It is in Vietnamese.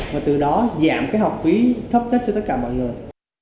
và từ đó giảm cái học phí thấp nhất cho tất cả mọi người